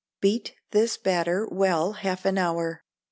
Beat this batter well half an hour.